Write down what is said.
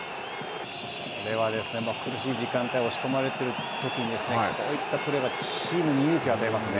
これは、苦しい時間帯押し込まれてるときにこういったプレーはチームに勇気を与えますね。